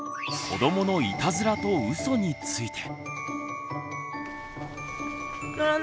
「子どものいたずらとうそ」について。